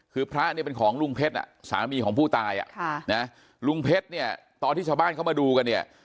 คือพระเนี่ยเป็นของลุงเพชรสามีของผู้ตายลุงเพชรเนี่ยตอนที่ชาวบ้านเข้ามาดูกันเนี่ย